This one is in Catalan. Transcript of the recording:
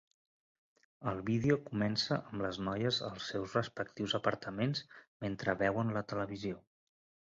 El vídeo comença amb les noies als seus respectius apartaments mentre veuen la televisió.